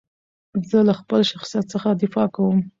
زه له خپل شخصیت څخه دفاع کوم.